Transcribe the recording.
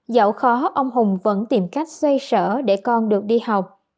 dẫu khó ông hùng vẫn tìm cách xoay sở để con được đi học